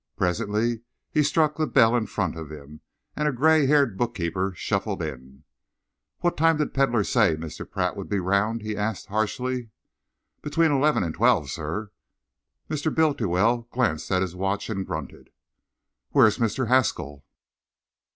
Presently he struck the bell in front of him, and a grey haired bookkeeper shuffled in. "What time did Pedlar say Mr. Pratt would be round?" he asked harshly. "Between eleven and twelve, sir." Mr. Bultiwell glanced at his watch and grunted. "Where's Mr. Haskall?"